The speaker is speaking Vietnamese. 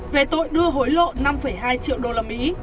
về tội đưa hối lộ năm hai triệu usd